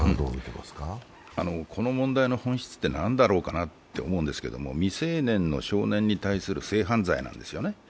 この問題の本質って何なんだろうかなと思うんですけれども未成年の少年に対する性犯罪なんですよね。